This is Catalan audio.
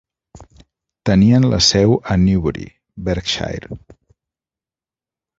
Tenien la seu a Newbury, Berkshire.